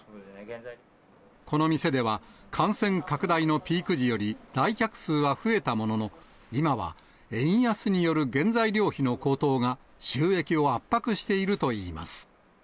この店では、感染拡大のピーク時より来客数は増えたものの、今は円安による原材料費の高騰が、収益を圧迫しているといいます。